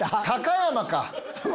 高山か！